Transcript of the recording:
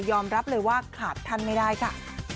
รับเลยว่าขาดท่านไม่ได้ค่ะ